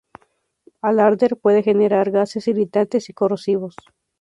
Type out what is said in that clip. Al arder, puede generar gases irritantes y corrosivos.